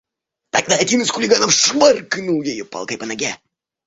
Тогда один из хулиганов шваркнул её палкой по ноге.